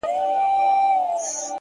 نظم د لویو ارمانونو ساتونکی دی،